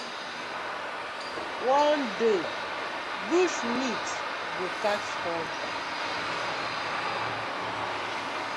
One day bush meat go catch the hunter: